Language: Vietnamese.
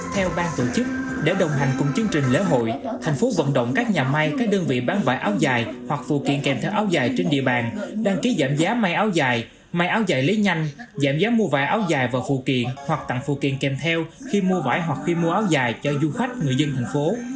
theo bang tổ chức để đồng hành cùng chương trình lễ hội thành phố vận động các nhà may các đơn vị bán vải áo dài hoặc phụ kiện kèm theo áo dài trên địa bàn đăng ký giảm giá may áo dài may áo dài lấy nhanh giảm giá mua vải áo dài và phụ kiện hoặc tặng phụ kiện kèm theo khi mua vải hoặc khi mua áo dài cho du khách người dân thành phố